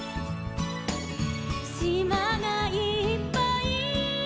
「しまがいっぱい」